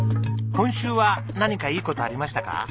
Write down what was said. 今週は何かいい事ありましたか？